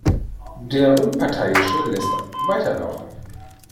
Der Unparteiische lässt weiterlaufen.